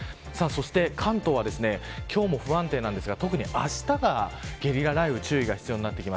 そして関東は今日も不安定ですが特にあしたが、ゲリラ雷雨に注意が必要です。